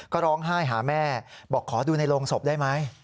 ก็ร้องไห้หาแม่บอกขอดูในโรงศพได้ไหม